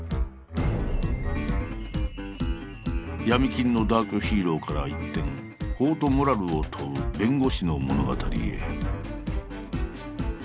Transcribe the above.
闇金のダークヒーローから一転法とモラルを問う弁護士の物語へ。